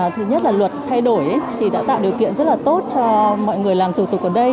thứ nhất là luật thay đổi thì đã tạo điều kiện rất là tốt cho mọi người làm thủ tục ở đây